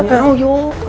kecap ya ayo